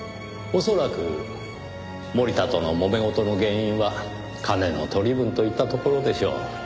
恐らく森田との揉め事の原因は金の取り分といったところでしょう。